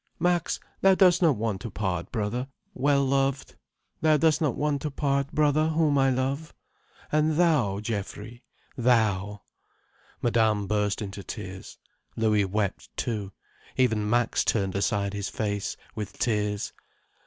Max, thou dost not want to part, brother, well loved? Thou dost not want to part, brother whom I love? And thou, Geoffrey, thou—" Madame burst into tears, Louis wept too, even Max turned aside his face, with tears.